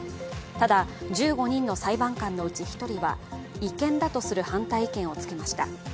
ただ、１５人の裁判官のうち１人は違憲だとする反対意見をつけました。